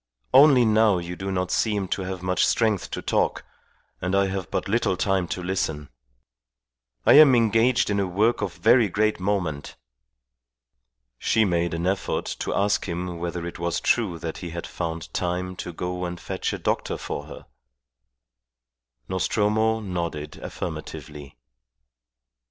Only now you do not seem to have much strength to talk, and I have but little time to listen. I am engaged in a work of very great moment." She made an effort to ask him whether it was true that he had found time to go and fetch a doctor for her. Nostromo nodded affirmatively.